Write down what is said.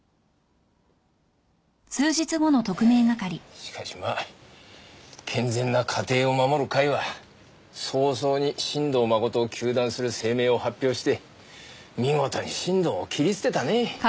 しかしまあ健全な家庭を守る会は早々に新堂誠を糾弾する声明を発表して見事に新堂を切り捨てたね。